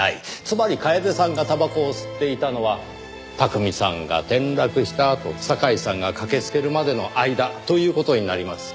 つまり楓さんがたばこを吸っていたのは巧さんが転落したあと堺さんが駆けつけるまでの間という事になります。